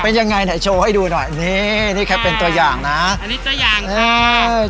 เป็นยังไงไหนโชว์ให้ดูหน่อยนี่นี่แค่เป็นตัวอย่างนะอันนี้ตัวอย่างเออ